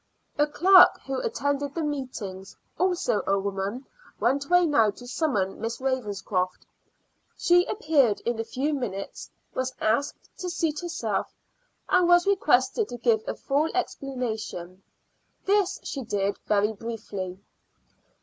A clerk who attended the meetings (also a woman) went away now to summon Miss Ravenscroft. She appeared in a few minutes, was asked to seat herself, and was requested to give a full explanation. This she did very briefly.